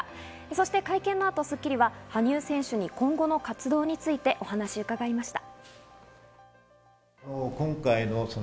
そして会見の後、『スッキリ』は羽生選手に今後の活動についてお話を伺いました。